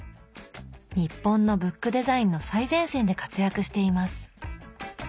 日本のブックデザインの最前線で活躍しています。